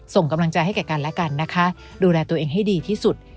ส่งกำลังใจให้แก่กันและกันนะคะดูแลตัวเองให้ดีที่สุด